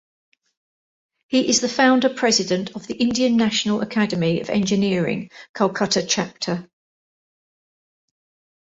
He is the founder President of the Indian National Academy of Engineering, Kolkata Chapter.